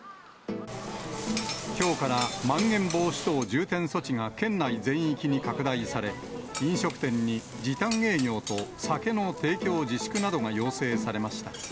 きょうからまん延防止等重点措置が県内全域に拡大され、飲食店に時短営業と酒の提供自粛などが要請されました。